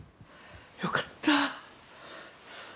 よかった。